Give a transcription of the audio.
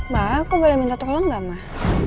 mbak aku boleh minta tolong gak mah